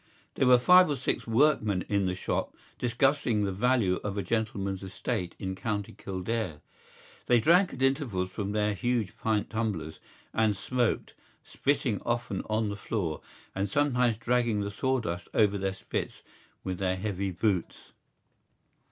There were five or six workingmen in the shop discussing the value of a gentleman's estate in County Kildare. They drank at intervals from their huge pint tumblers and smoked, spitting often on the floor and sometimes dragging the sawdust over their spits with their heavy boots.